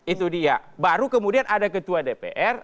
itu dia baru kemudian ada ketua dpr